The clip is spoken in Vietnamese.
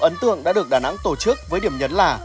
ấn tượng đã được đà nẵng tổ chức với điểm nhấn là